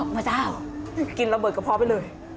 พระเจ้ากินระเบิดกระเพาะไปเลย